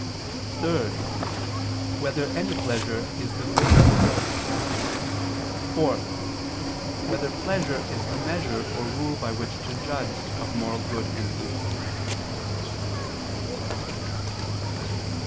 (3) Whether any pleasure is the greatest good? (4) Whether pleasure is the measure or rule by which to judge of moral good and evil?